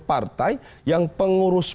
partai yang pengurus